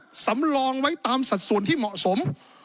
ก็สำรองไว้ตามสัดส่วนที่เหมาะสม